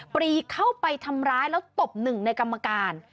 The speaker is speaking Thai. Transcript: ปรีเข้าไปทำร้ายแล้วตบหนึ่งในกรรมการ